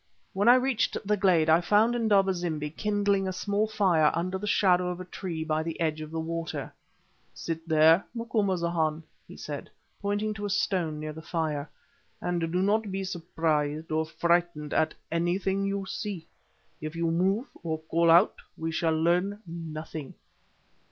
When I reached the glade I found Indaba zimbi kindling a small fire under the shadow of a tree by the edge of the water. "Sit there, Macumazahn," he said, pointing to a stone near the fire, "and do not be surprised or frightened at anything you see. If you move or call out we shall learn nothing."